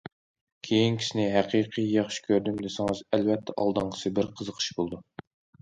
كېيىنكىسىنى ھەقىقىي ياخشى كۆردۈم دېسىڭىز، ئەلۋەتتە ئالدىنقىسى بىر قىزىقىش بولىدۇ.